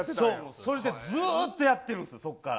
それでずっとやってるんですよ、そこから。